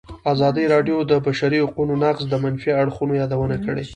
ازادي راډیو د د بشري حقونو نقض د منفي اړخونو یادونه کړې.